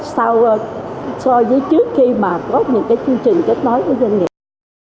sau so với trước khi mà có những cái chương trình kết nối với doanh nghiệp